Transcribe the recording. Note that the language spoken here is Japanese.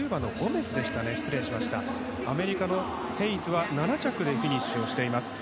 アメリカのヘイズは７着でフィニッシュしています。